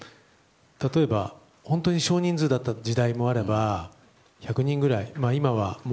例えば少人数だった時代もあれば１００人ぐらいの時も。